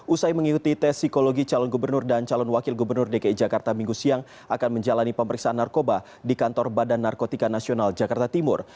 usai mengikuti tes psikologi calon gubernur dan calon wakil gubernur dki jakarta minggu siang akan menjalani pemeriksaan narkoba di kantor badan narkotika nasional jakarta timur